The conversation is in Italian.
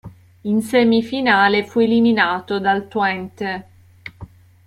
In semifinale, fu eliminato dal Twente.